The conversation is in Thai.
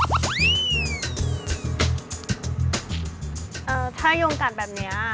เอ่อถ้ายุ่งกัดแบบนี้